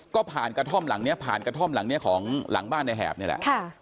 ก็ผ่านกระท่อมหลังนี้ผ่านกระท่อมหลังนี้ของหลังบ้านในแหบนี่แหละ